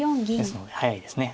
ですので速いですね。